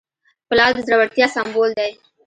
پلار د زړورتیا سمبول دی.